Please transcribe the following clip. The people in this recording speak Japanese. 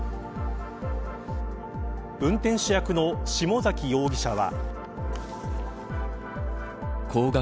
運転手役の下崎容疑者は。